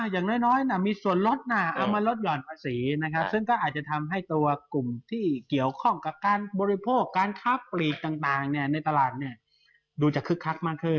อย่างน้อยมีส่วนลดนะเอามาลดห่อนภาษีนะครับซึ่งก็อาจจะทำให้ตัวกลุ่มที่เกี่ยวข้องกับการบริโภคการค้าปลีกต่างในตลาดดูจะคึกคักมากขึ้น